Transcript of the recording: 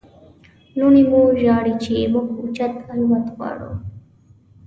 لوڼې مو ژاړي چې موږ اوچت الوت غواړو.